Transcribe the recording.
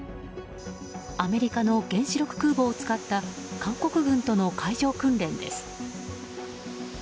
アメリカの原子力空母を使った韓国軍との海上訓練です。